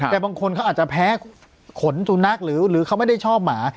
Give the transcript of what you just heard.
แต่บางคนเขาอาจจะแพ้ขนสุนัขหรือเขาไม่ได้ชอบหมา